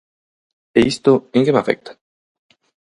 E isto, en que me afecta?